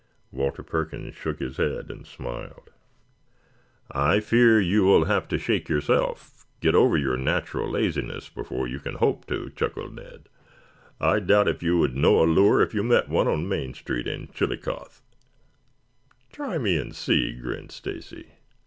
Walter Perkins shook his head and smiled. "I fear you will have to shake yourself get over your natural laziness before you can hope to," chuckled Ned. "I doubt if you would know a lure if you met one on Main Street in Chillicothe." "Try me and see," grinned Stacy.